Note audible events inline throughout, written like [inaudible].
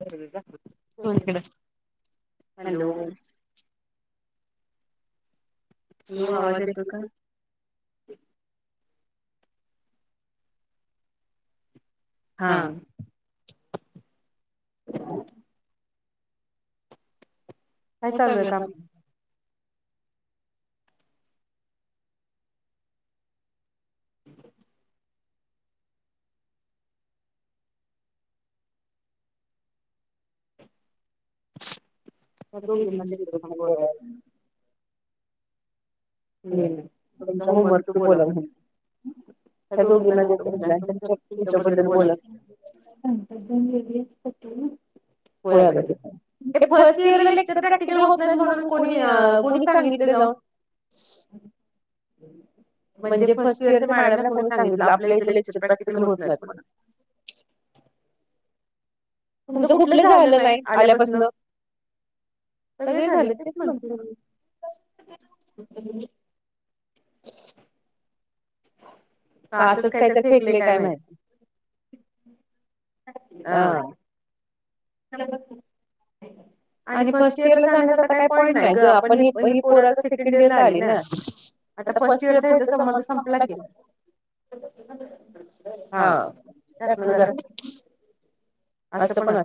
[unintelligible] Hello hello आवाज येतो का? हां. [inaudible] काय चालू अय काम? [inaudible] [unintelligible] हम तुमच्या होमवर्क च् बोला हम. त्या दोघीेना देतो म्हणलाय तच्याबद्दल बोला. [unintelligible] होय आग ते फर्स्ट इयरला लेक्चर प्रॅक्टिकल होत नाहीत म्हणूनणी कोणी सांगितलं जाऊन? म्हणजे फर्स्ट इयरच्या मॅडमने कोणी सांगितला आपल्या इथे लेक्चर प्रॅक्टिकल होत नाहीत म्हणून? तुमचं कुठलं आलं नाही आल्यापासन? सगळे झाले तेच म्हणते मी. [inaudible] का असच काही तर फेकले काय माहिती अ. [inaudible] आणि फर्स्ट इयर ला जाण्याच आता काही पॉईंट नाही ग आपण ही पोराचा सेकंड इयरला आली ना? आता फर्स्ट इयर जायचं संबंध संपला की. हा त्यालं जरा असं पण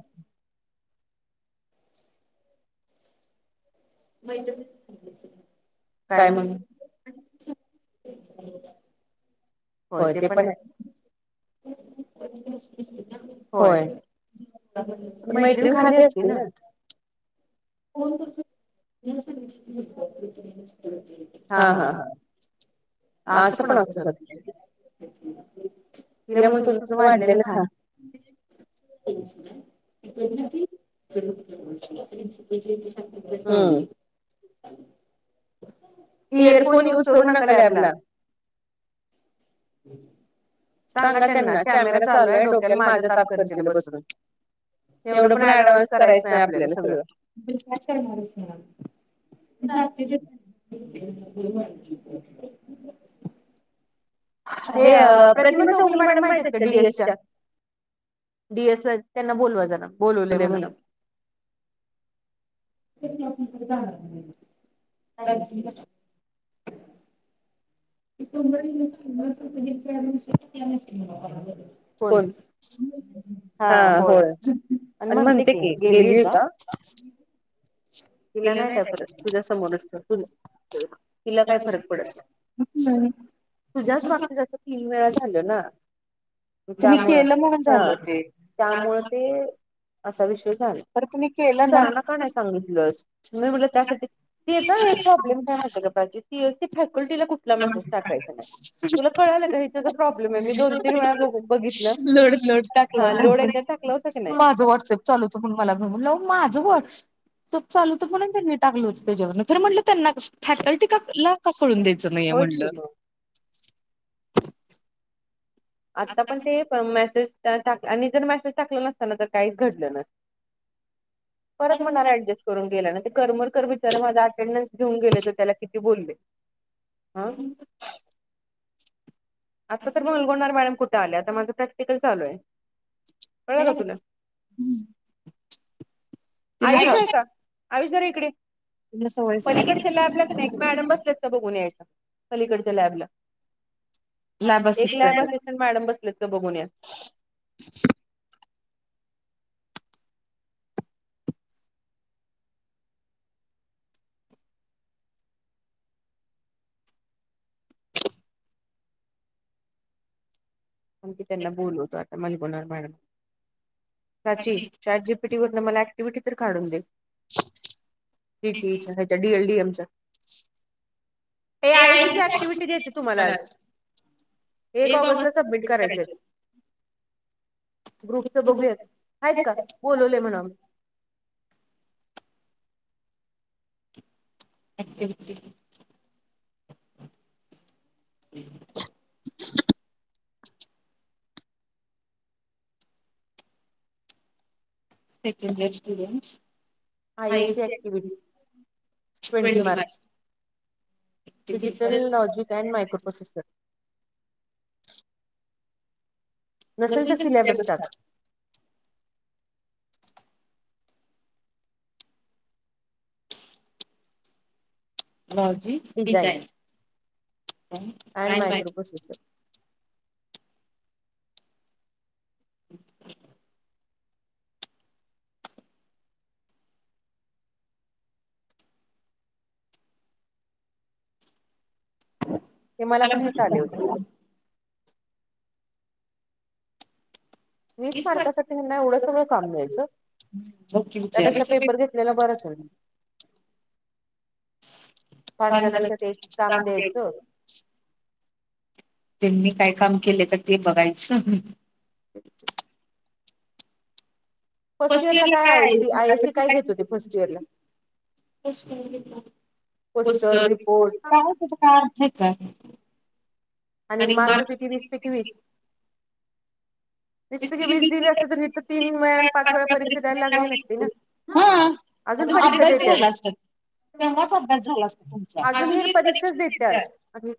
काय म्हण हो ते पण. होय पण मैत्रिण खाली असते ना. [unintelligible] हा हा हा असं पण असत. किरा म्ह तुझ वाढलेलं खा. ना गण. हा. इयरफोन युज करू नका लॅबला. [unintelligible] हम्म सांगा त्यांना कॅमेरा चालू आहे डोक्याल माझ्या ताप कर्जला बसून. एवढं पण ऍडवान्स करायचं नाही आपल्याला सगळंणार. जात ए प्रतिमा चौगली मॅडम माहित आहेत का डीएसच्या. डी एस ला त्यांना बोलवा जाणार. म्हण. ब [inaudible] ण [unintelligible] हा होळ आणि म्हणते की गेली का. तिला नाही काय फरक तुझ्या समोर असत तुझ तिला काय फरक पडत नाही. तुझ्याच बाबतीतसं तीन वेळा झालं ना. त्यामुळं हा त्यामुळं ते असा विश्य झाला. सरांना का नाही सांगित स बोला त्यासाठी त प्रॉब्लेम काय होतजी ती फॅकल्टीला कुठ. मेज टाकायचा नाही तुला कळाल का हिचा प्रॉब्लेम आहे मी दोन तीन वेळा बघितलं. हा लोड एकदा टाकला होता की नाही. चल होत पण मला म्ह माझं वड. सप चालू तर पणून त्यांनी टाकलं होत त्याच्यावर तर म्हटलं त्यांना फॅकल्टी का काोून देत. नाही म्हणलं. आता पण ते मेसेज टाक आणि जर मेसेज टाकलं नसत ना तर काहीच घडलं नसतं. परत म्हणाला ऍडजस्ट. ून गे करमर विचारे माझा अटेंडन्स घेऊन गेले त त्याला किती बोलले. हं आता तर मग उलगवणारॅम कुठे आले आता माझं प्रॅक्टिकल चालू आहे. हो हम्. आयुष आहे का आयुष्य जरा इकडे पलीकडे केला आपल्या मॅडम बसलेच तर बघून यायच्या अलीकडच्या लॅबला. एक लॅब असिस्टंट मॅडम बसलेत का बघून या. आी त्यांना बोलवतो आता मलगोणार मॅडम प्रचीन. ी मला ऍक्टिव्हटी तर काढून दे. टीटीच्या ह्याच्या डीएल डीएमच्या. आयसी ऍक्टिव्हटीेते तुम्हाला एक ऑगस्टला सबमट. ग्रुपच बघू आहेत का बोलवले म्हण आम्ही. अक्छ. हम्. [inaudible] Second last year I AC activity twenty March digital logic and microprocessor नसेल तर सिलाबस ब्लाउजची डिझाईन, काय माहित. [unintelligible] [inaudible] ते मला पण हित आले होते. वीस मार्कासाठी ह्यांना एवढं सगळं काम द्यायचं, त्यापेक्षा पेपर घेत आपल्याला बरं तर. पाच जणांना तेच काम द्यायचं. त्यांनी काय काम केले ते बघायचं. [inaudible] फर्स्ट इयर ला काय [unintelligible] पोस्टर. हे काय. आणि मार्क किती वीस पैकी विस. वीस पैकी वीस दिली असते तर तीन वेळा, पाच वेळा परीक्षा द्यायला लागली नसती ना. अजून परीक्षा देत्यात. अजूनही परीक्षाच देत्यात,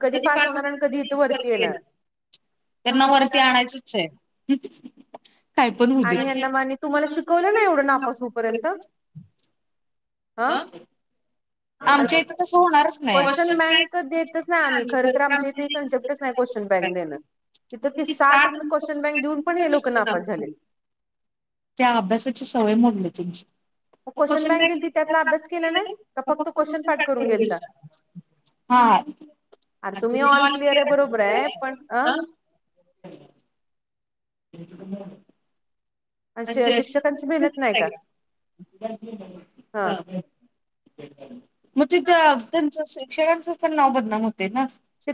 कधी पास होणार आणि कधी इथे वरती येणार. [inaudible] त्यांना वरती आणायचच आहे. काही पण होऊ दे आमच्या इथ तसं होणार क्वेश्चन बँक देतच नाही आम्ही खरंत तर आमच्या इथे कन्सेप्टच नाही क्वेश्चन बँक देणं. इत ती साठ क्वेश्चन बँक देऊन पण हे लोक नापास झालेत. त्या अभ्यासाची सवय मोडली त्यांची. ह पक्क [unintelligible] पाठ करू [unintelligible] हा, आ तुम्ही ऑल क्लियर [unintelligible] [unintelligible] अस [unintelligible] म तिथं त्यांचं शिक्षकांचं पण नाव बदनाम होतय ना.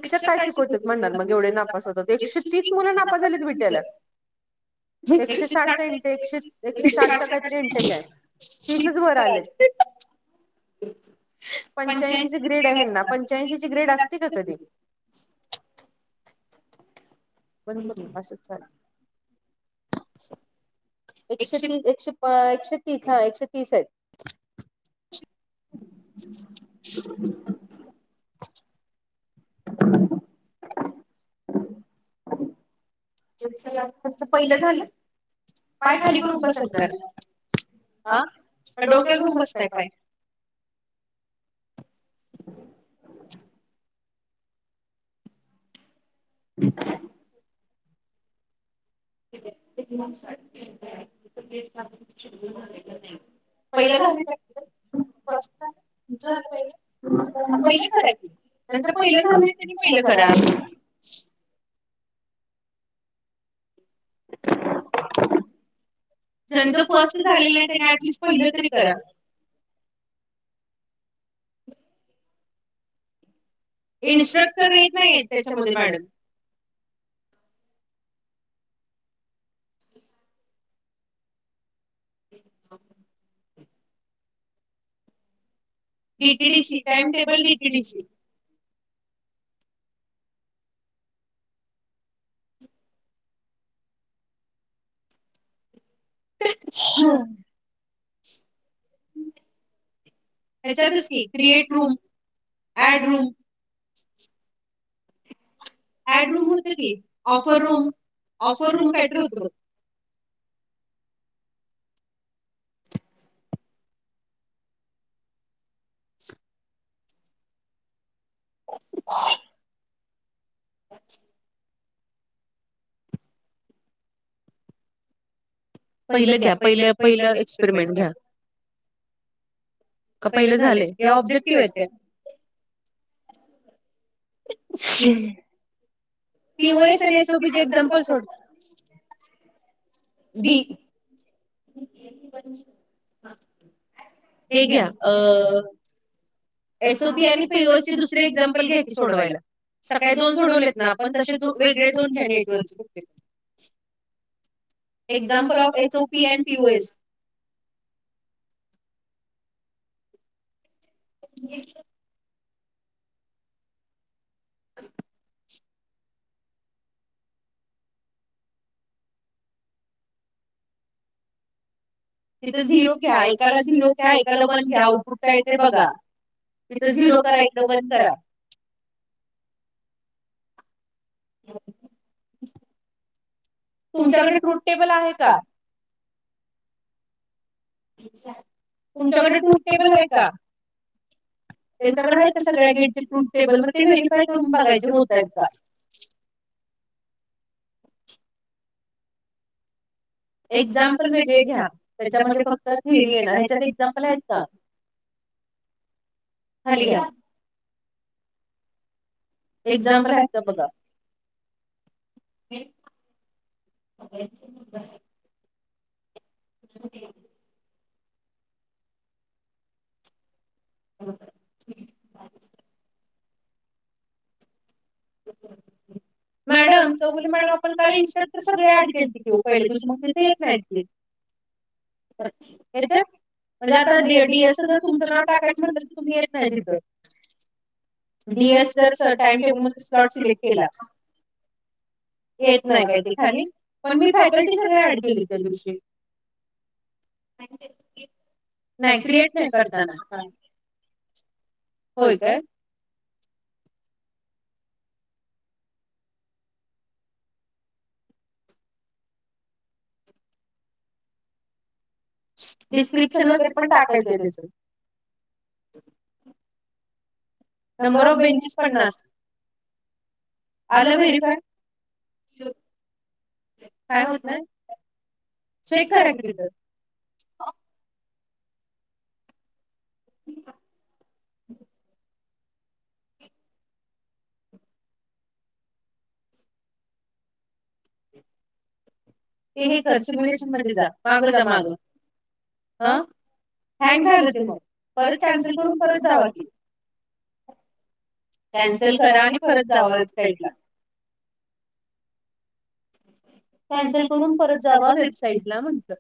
शिक्षक [unintelligible] [unintelligible] [unintelligible] एकशे साठचा काहीतरी इंटेक आहे, तीचच वर आले. पंच्याऐंशीची ग्रेड आहे पंच्याऐशीची ग्रेड असते का कधी. [inaudible] बंद करू असेच चाले. एकशे तीस हा एकशे तीस, एकशे तीस आहेत. [inaudible] [inaudible] पहिलं झालं. पाय खाली करून बसत जाय, आ डोक्या वर घेऊन बसताय पाय. [inaudible] [unintelligible] पहिलं झालं [unintelligible] पहिल [unintelligible] की. ज्यांचं पहिलं झालं नाही त्यांनी पहिलं करा. ज्यांच फस्ट झालेलं नाही त्यांनी आधीच पहिलं तरी करा. इन्स्ट्रक्टर येत नाही त्याच्यामध्ये madam. [unintelligible] D T D C time table D T D C. [unintelligible] ह्याच्यातच की create room, add room. [inaudible] Had room होत की ऑफर रूम ऑफर रूम कायतरी होत बघ [unintelligible] [unintelligible] [unintelligible] पहिलं घ्या पहिलं पहिलं एक्सपेरिमेंट घ्या. का पहिले झाले हे ऑब्जेक्टिव्ह आहेत काय? [unintelligible] पी ओ एस आणि एस ओ पी चे एक्झाम्पल सोड बी हे घ्या अ एस ओ पी आणि पी ओ एस दुसर एक्झाम्पल घ्या की सोडवायला. सकाळी दोन सोडवलेत ना आपण तसे दो वेगळे दोन घ्या नेटवरचे कुठले example of S O P and P O S घेतलं [unintelligible] तिथं झिरो घ्या एकाला झिरो घ्या एकाला वन घ्या उ कुठचा येतय बघा. तिथ झिरो करा इकडं वन करा. [inaudible] तुमच्याकडे फ्रूट टेबल आहे का? तुमच्यामध्ये टूट टेबल आहे का? त्यांच्याकडे आहेत सगळ्या गेट टेबल मग ते व्हेरीफाय करून बघायचे होतात का? एक्झाम्पल वेगळे घ्या त्याच्यामध्ये फक्त थेअरी येणार ह्याच्यात एक्झाम्पल आहेत का? खाली घ्या. एक्झाम्पल आहेत का बघा हे सगळयांचे मुद्दा हाय - [unintelligible] [unintelligible] [unintelligible] मॅडम चौगुले मॅडम आपण काल इन्स्टॅक्टर सगळे ऍड केलते की ओ पहिल्या दिवशी मग तिथ येत नाहीत ते. येत्यात. म्हणजे आता डी डी एस जर तुमचं नाव टाकायचं म्हटलं तर तुम्ही येत नाय तिथं डी एस जर टाइम टेबलमध्ये स्लॉट सिलेक्ट केला. येत नाय काय ते खाली पण मी फॅकल्टी वेळी ऍड केलेत त्या दिवशी नाय क्रिएट नाय करताना होय काय? डिस्क्रिप्शन तरी पण टाकायचय त्याच नंबर ऑफ बेंचेस पन्नास. आलं व्हेरिफाय काय होत नाय. चेक करा की तिथं [inaudible] ते हे कर सिम्युलेशन मध्ये जा मागं जा मागं अं हँग झालं ते मग परत कॅन्सल करून परत जावा की कॅन्सल करा आणि परत जावा वेबसाइट ला [unintelligible] कॅन्सल करून परत जावा वेबसाईट ला म्हंटल.